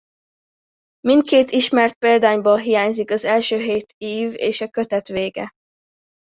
Mindkét ismert példányból hiányzik az első hét ív és a kötet vége.